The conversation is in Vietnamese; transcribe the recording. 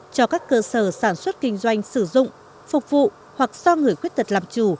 cho các cơ sở sản xuất kinh doanh sử dụng phục vụ hoặc do người khuyết tật làm chủ